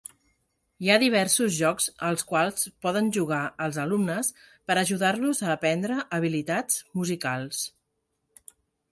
Hi ha diversos jocs als quals poden jugar els alumnes per ajudar-los a aprendre habilitats musicals.